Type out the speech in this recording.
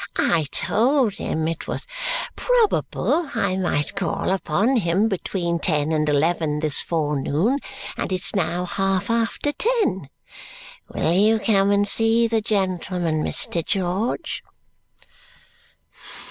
"I told him it was probable I might call upon him between ten and eleven this forenoon, and it's now half after ten. Will you come and see the gentleman, Mr. George?"